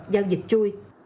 giao dịch chui